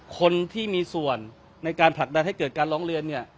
คนที่มีส่วนในการผลักดันให้เกิดการร้องเรียนเนี่ย